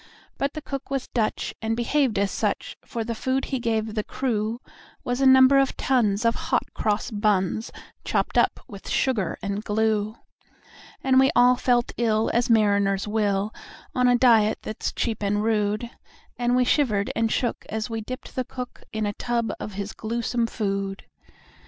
But the cook was Dutch, and behaved as such; For the food that he gave the crew Was a number of tons of hot cross buns, Chopped up with sugar and glue. And we all felt ill as mariners will, On a diet that's cheap and rude; And we shivered and shook as we dipped the cook In a tub of his gluesome food.